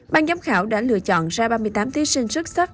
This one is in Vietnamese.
ban giám khảo đã lựa chọn ra ba mươi tám thí sinh xuất sắc